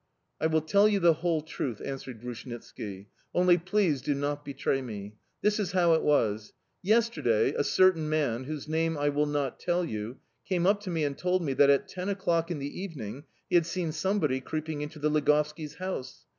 "I will tell you the whole truth," answered Grushnitski: "only please do not betray me. This is how it was: yesterday, a certain man, whose name I will not tell you, came up to me and told me that, at ten o'clock in the evening, he had seen somebody creeping into the Ligovskis' house.